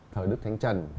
thời đức thánh trần